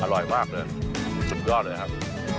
อร่อยมากเลยสุดยอดเลยครับ